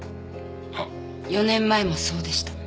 ４年前もそうでした。